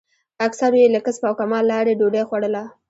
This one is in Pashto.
اکثرو یې له کسب او کمال لارې ډوډۍ خوړله.